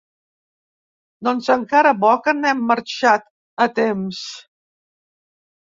Doncs encara bo que n'hem marxat a temps!